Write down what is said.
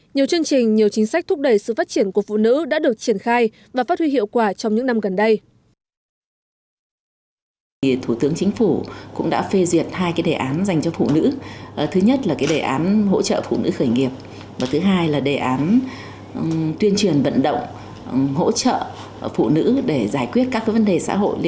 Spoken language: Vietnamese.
nhiều chương trình nhiều chính sách thúc đẩy sự phát triển của phụ nữ đã được triển khai và phát huy hiệu quả trong những năm gần đây